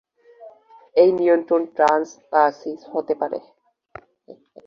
এই নিয়ন্ত্রণ ট্রান্স বা সিস হতে পারে।